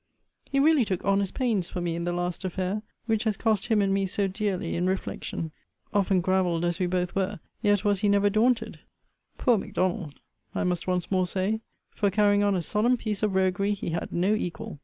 He really took honest pains for me in the last affair; which has cost him and me so dearly in reflection. Often gravelled, as we both were, yet was he never daunted. Poor M'Donald! I must once more say: for carrying on a solemn piece of roguery, he had no equal.